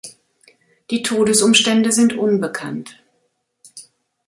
Die Todesumstände sind unbekannt.